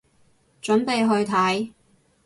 準備去睇